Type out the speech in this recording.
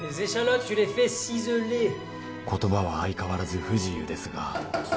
「言葉は相変わらず不自由ですが」